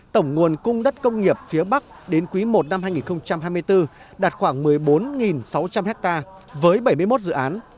tổng nguồn cung đất công nghiệp phía bắc đến quý i năm hai nghìn hai mươi bốn đạt khoảng một mươi bốn sáu trăm linh ha với bảy mươi một dự án